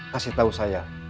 kasih tahu saya